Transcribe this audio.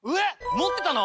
持ってたの？